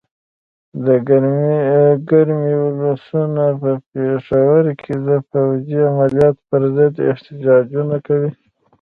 د کرمې ولسونه په پېښور کې د فوځي عملیاتو پر ضد احتجاجونه کوي.